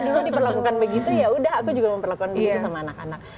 dulu diperlakukan begitu ya udah aku juga memperlakukan begitu sama anak anak